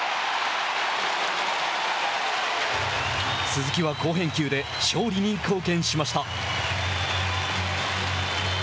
鈴木は好返球で勝利に貢献しました。